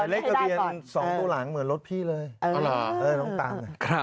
เลขทะเบียน๒ตัวหลังเหมือนรถพี่เลยน้องตาม